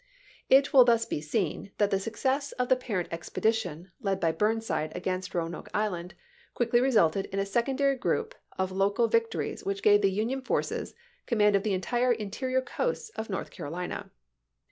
It will thus be seen that the success of the parent expedition, led by Burnside against Roanoke Island, quickly resulted in a secondary group of local vic tories which gave the Union forces command of the entire interior coasts of North Carolina.